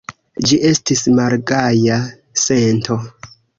Ĝi estis malgaja sento.